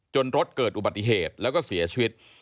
รถเกิดอุบัติเหตุแล้วก็เสียชีวิต